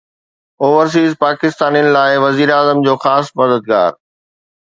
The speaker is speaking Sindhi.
اوورسيز پاڪستانين لاءِ وزيراعظم جو خاص مددگار